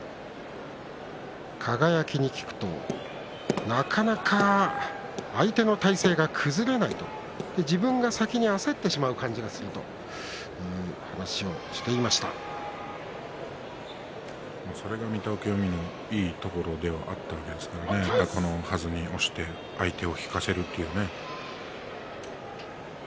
輝に聞くとなかなか相手の体勢が崩れないと自分が先に焦ってしまう感じがするそれが御嶽海のいいところではあったと思うんですが、はずに押して相手を引かせるというね。